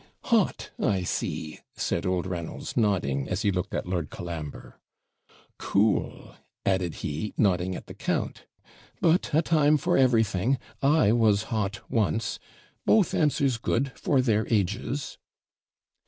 'Hot! I see,' said old Reynolds, nodding, as he looked at Lord Colambre. 'Cool!' added he, nodding at the count. 'But a time for everything; I was hot once both answers good, for their ages.'